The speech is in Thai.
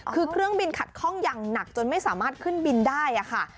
คือเครื่องบินขัดข้องอย่างหนักจนไม่สามารถขึ้นบินได้ค่ะ